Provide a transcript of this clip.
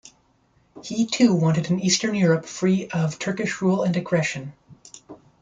He too wanted an Eastern Europe free of Turkish rule and aggression.